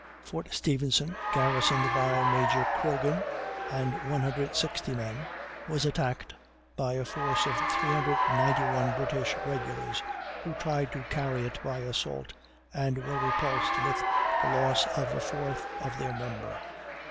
Fort Stephenson, garrisoned by Major Croghan and 160 men, was attacked by a force of 391 British regulars, who tried to carry it by assault, and were repulsed with the loss of a fourth of their number.